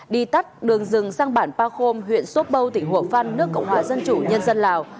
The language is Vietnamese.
đi tắt đường rừng sang bản pa khôm huyện sốt bâu tỉnh hủa phăn nước cộng hòa dân chủ nhân dân lào